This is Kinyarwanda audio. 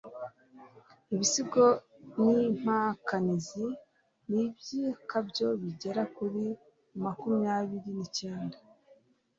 ibisigo by'impakanizi n'iby'ikobyo bigera kuri makumyabiri nicyendas